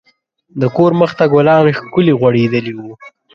د کور مخ ته ګلان ښکلي غوړیدلي وو.